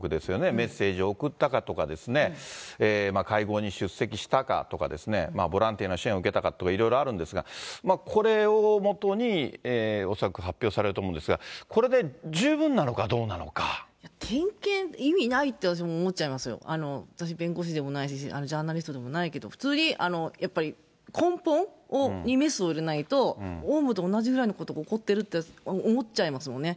メッセージを送ったかとか、会合に出席したかとかですね、ボランティアの支援を受けたかとかいろいろあるんですが、これを基に、恐らく発表されると思うんですが、点検、意味ないって私、思っちゃいますよ、私、弁護士でもないし、ジャーナリストでもないけど、普通にやっぱり、根本にメスを入れないと、オウムと同じぐらいのことが起こってるって思っちゃいますよね。